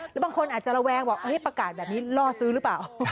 แล้วบางคนอาจจะระแวงบอกประกาศแบบนี้ล่อซื้อหรือเปล่า